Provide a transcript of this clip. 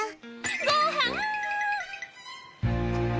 ごはん！